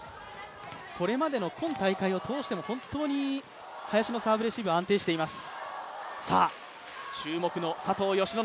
これまでの今大会を通しても本当に林のサーブレシーブは安定しています。